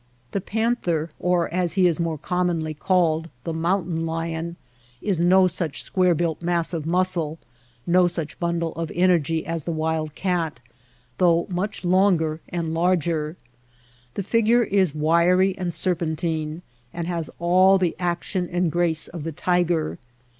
The panther, or as he is more commonly called, the mountain lion, is no such square built mass of muscle, no such bundle of energy as the wild cat, though much longer and larger. The figure is wiry and serpentine, and has all the action and grace of the tiger.